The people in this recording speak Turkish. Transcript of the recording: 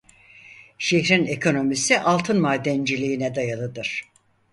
Şehrin ekonomisi altın madenciliğine dayalıdır.